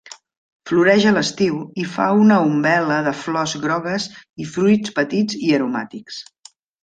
Floreix a l'estiu i fa una umbel·la de flors grogues i fruits petits i aromàtics.